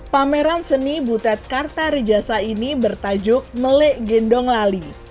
pameran seni butet kartarijasa ini bertajuk melek gendong lali